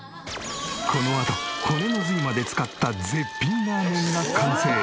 このあと骨の髄まで使った絶品ラーメンが完成。